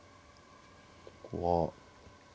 ここは。